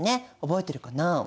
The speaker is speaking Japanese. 覚えてるかな？